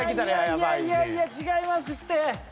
いやいやいやいや違いますって。